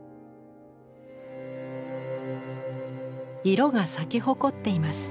色が咲き誇っています。